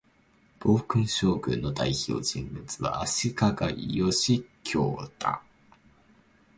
暴君将軍の代表人物は、足利義教だ